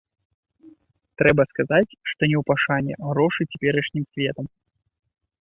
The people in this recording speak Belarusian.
Трэба сказаць, што не ў пашане грошы цяперашнім светам.